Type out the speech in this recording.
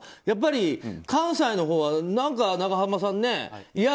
やっぱり関西のほうは何か永濱さん